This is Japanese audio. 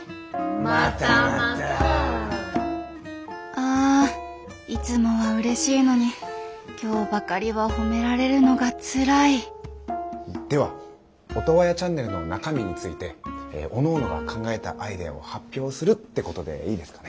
あいつもはうれしいのに今日ばかりは褒められるのがつらいではオトワヤチャンネルの中身についておのおのが考えたアイデアを発表するってことでいいですかね？